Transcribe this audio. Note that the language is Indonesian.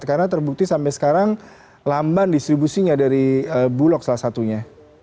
karena terbukti sampai sekarang lamban distribusinya dari bulog salah satunya